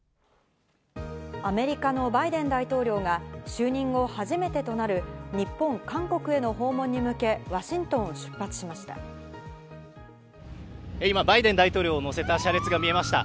アメリカのバイデン大統領が就任後、初めてとなる日本・韓国への訪問に向けワシントンを出発しました。